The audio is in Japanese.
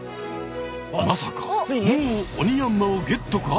まさかもうオニヤンマをゲットか？